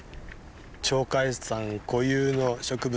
鳥海山固有の植物